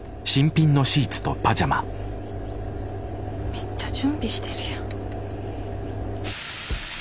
めっちゃ準備してるやん。